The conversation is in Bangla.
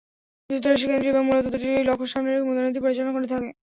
যুক্তরাষ্ট্রের কেন্দ্রীয় ব্যাংক মূলত দুটি লক্ষ্য সামনে রেখে মুদ্রানীতি পরিচালনা করে থাকে।